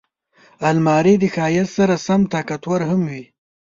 الماري د ښایست سره سم طاقتور هم وي